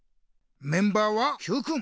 メンバーはＱくん。